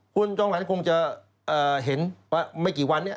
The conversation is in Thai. คุณจองขวัญคงจะเห็นว่าไม่กี่วัน